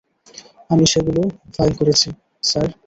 আমি সেগুলো ফাইল করেছি, স্যার।